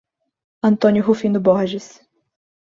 Antônio Rufino Borges